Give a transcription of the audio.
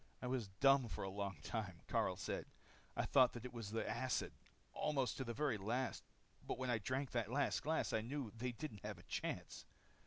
"I was dumb for a long time," Karyl said. "I thought that it was the acid, almost to the very last. But when I drank that last glass, I knew they didn't have a chance.